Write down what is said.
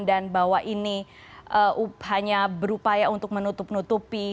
dan bahwa ini hanya berupaya untuk menutup nutupi